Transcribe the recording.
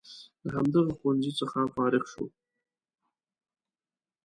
له همدغه ښوونځي څخه فارغ شو.